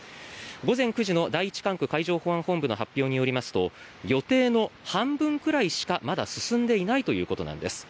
午前９時の第一管区海上保安本部の発表によりますと予定の半分くらいしかまだ進んでいないということです。